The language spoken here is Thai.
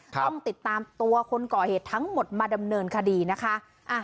ต้องติดตามตัวคนก่อเหตุทั้งหมดมาดำเนินคดีนะคะ